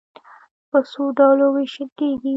په څو ډلو وېشل کېږي.